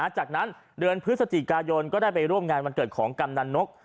จากนั้นเดือนพฤศจิกายนก็ได้ไปร่วมงานวันเกิดของกำนันนก